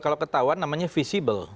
kalau ketahuan namanya visible